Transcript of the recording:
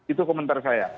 itu komentar saya